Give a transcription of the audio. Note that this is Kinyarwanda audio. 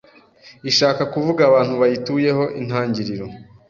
ishaka kuvuga abantu bayituyeho Intangiriro